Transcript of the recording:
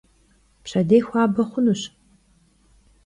Pşedêy xuabe xhunuş.